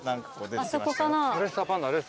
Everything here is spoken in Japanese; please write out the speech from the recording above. あそこかな？